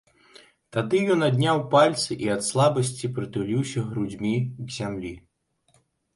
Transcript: Тады ён адняў пальцы і ад слабасці прытуліўся грудзьмі к зямлі.